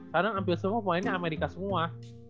karena hampir semua pemainnya amerika semua